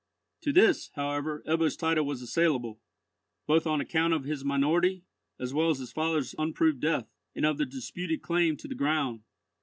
To this, however, Ebbo's title was assailable, both on account of his minority, as well as his father's unproved death, and of the disputed claim to the ground.